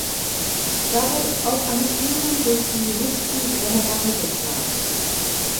Dabei ist auch eine Führung durch die Whiskybrennerei geplant.